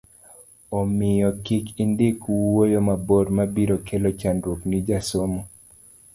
omiyo kik indik wuoyo mabor mabiro kelo chandruok ni jasomo